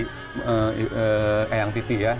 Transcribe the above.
kayak yang titik ya